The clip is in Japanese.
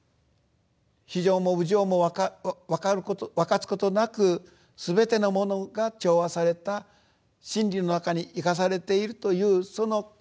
非情も有情も分かつことなくすべてのものが調和された真理の中に生かされているというその価値観